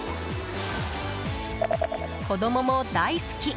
子供も大好き！